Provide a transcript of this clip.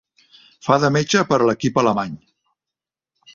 Fa de metge per a l'equip alemany.